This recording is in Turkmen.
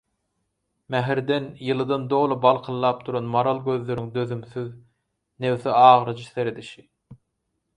Mähirden, ýylydan doly balkyldap duran maral gözleriň dözümsiz, nebsi agyryjy seredişi.